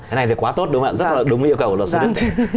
thế này thì quá tốt đúng không ạ rất là đúng yêu cầu của luật sư trinh đức